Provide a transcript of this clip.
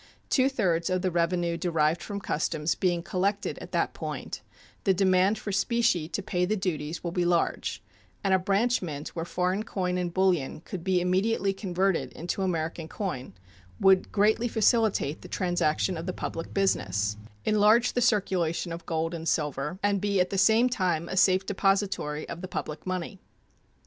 Two thirds of the revenue derived from customs being collected at that point, the demand for specie to pay the duties will be large, and a branch mint where foreign coin and bullion could be immediately converted into American coin would greatly facilitate the transaction of the public business, enlarge the circulation of gold and silver, and be at the same time a safe depository of the public money.